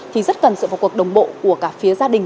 thì rất cần sự phục vụ đồng bộ của cả phía gia đình